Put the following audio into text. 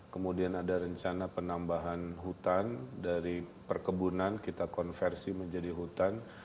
kemudian ada rencana penambahan hutan dari perkebunan kita konversi menjadi hutan